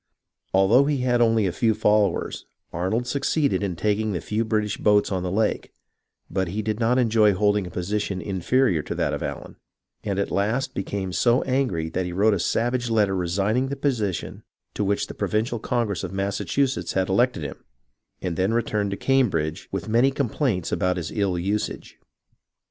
Although he had only a few followers, Arnold had succeeded in taking the few British boats on the lake ; but he did not enjoy holding a position inferior to that of Allen, and at last became so angry that he wrote a savage letter resigning the position to which the Provincial Congress of Massachusetts had elected him, and then returned to Cam bridge with many complaints about his ill usage.